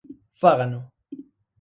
Fágano.